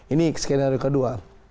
ini skenario kedua